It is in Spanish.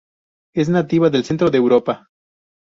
Es nativa del centro de Europa.